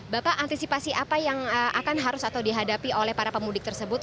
bapak antisipasi apa yang akan harus atau dihadapi oleh para pemudik tersebut